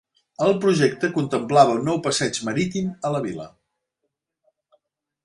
El projecte contemplava un nou passeig marítim a la vila.